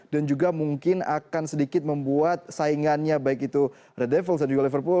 dan juga mungkin akan sedikit membuat saingannya baik itu red devils dan juga liverpool